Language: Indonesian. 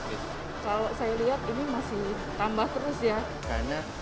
kalau saya lihat ini masih tambah terus ya